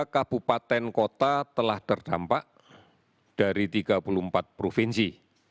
empat ratus enam puluh tiga kabupaten kota telah terdampak dari tiga puluh empat provinsi